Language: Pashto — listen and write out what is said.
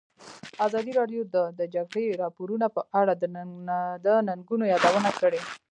ازادي راډیو د د جګړې راپورونه په اړه د ننګونو یادونه کړې.